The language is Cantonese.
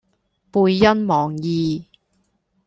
背恩忘義